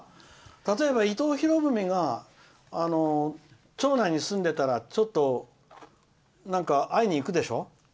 例えば、伊藤博文が町内に住んでたらちょっと会いに行くでしょ。